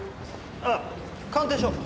あっ鑑定書。